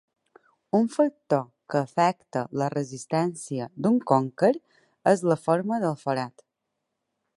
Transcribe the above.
Un factor que afecta la resistència d"un conker és la forma del forat.